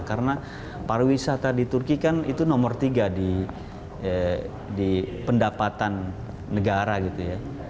karena pariwisata di turki kan itu nomor tiga di pendapatan negara gitu ya